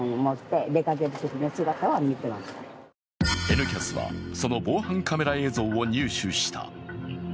「Ｎキャス」はその防犯カメラ映像を入手した。